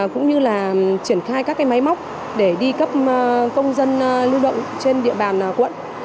cũng như là triển khai các máy móc để đi cấp công dân lưu động trên địa bàn quận